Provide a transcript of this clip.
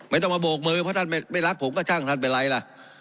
ไม่ต้องมาโบกมือเพราะท่านไม่รักผมก็ช่างท่านเป็นไรล่ะ